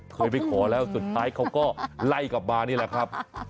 เคยไปขอแล้วสุดท้ายเขาก็ไล่กลับมานี่แหละครับ